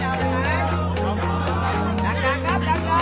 อ่าสวัสดีครับสวัสดีครับสวัสดีครับ